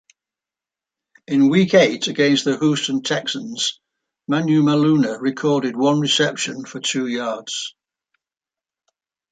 In week eight against the Houston Texans, Manumaleuna recorded one reception for two yards.